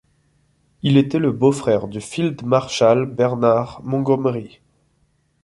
Il était le beau-frère du Field marshal Bernard Montgomery.